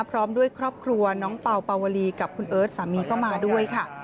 พร้อมด้วยครอบครัวน้องเป่าเป่าวลีกับคุณเอิร์ทสามีก็มาด้วยค่ะ